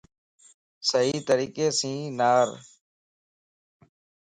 صحيح طريقي سين نار